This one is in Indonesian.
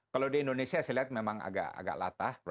kalau di indonesia saya lihat memang agak latah